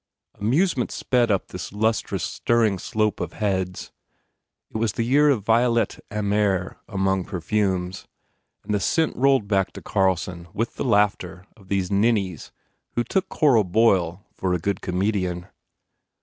Amuse ment sped up this lustrous, stirring slope of heads. It was the year of Violette Amere among per fumes and the scent rolled back to Carlson with the laughter of these ninnies who took Cora Boyle for a good comedian.